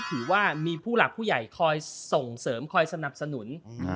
ถือว่ามีผู้หลักผู้ใหญ่คอยส่งเสริมคอยสนับสนุน